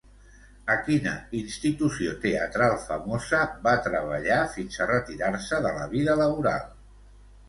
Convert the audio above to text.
A quina institució teatral famosa va treballar fins a retirar-se de la vida laboral?